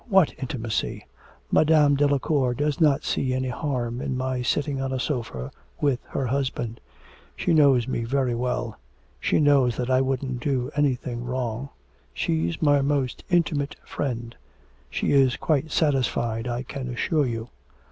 What intimacy? Madame Delacour does not see any harm in my sitting on a sofa with her husband. She knows me very well. She knows that I wouldn't do anything wrong. She's my most intimate friend; she is quite satisfied, I can assure you.